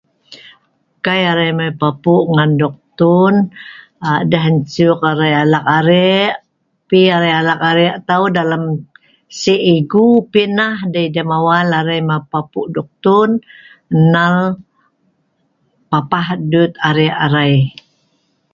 Kai arei Mei papuk ngen duktun. Aa.. deh ensuk arei alak a’rek. P arei alak a’rek tau. Dalam Sik igu pi neh dei deh mawal mei papuk duktun, enal.. papeh dut a’rek arei